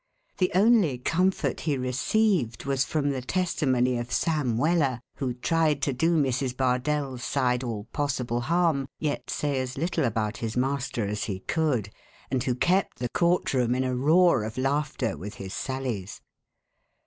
The only comfort he received was from the testimony of Sam Weller, who tried to do Mrs. Bardell's side all possible harm yet say as little about his master as he could, and who kept the court room in a roar of laughter with his sallies.